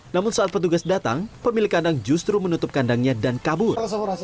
namun saat petugas datang pemilik kandang justru menutup kandangnya dan kabur